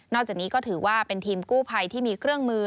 จากนี้ก็ถือว่าเป็นทีมกู้ภัยที่มีเครื่องมือ